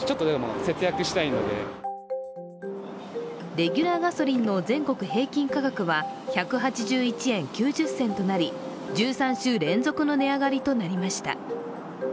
レギュラーガソリンの全国平均価格は１８１円９０銭となり１３週連続の値上がりとなりました。